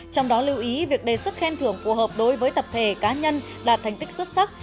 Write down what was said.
trong đó lưu ý việc đề xuất khen thưởng phù hợp đối với tập thể cá nhân là thành tích xuất sắc